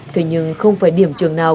thế nhưng không phải điểm trường nào